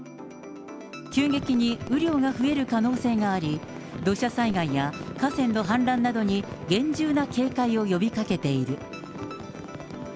急激に雨量が増える可能性があり、土砂災害や河川の氾濫などに厳重な警戒を呼びかけている。